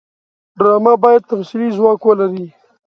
ډرامه باید تمثیلي ځواک ولري